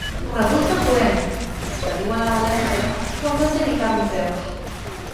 Resulta coent, que diuen a València, quan no té ni cap ni peus.